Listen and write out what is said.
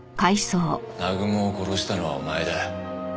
南雲を殺したのはお前だ。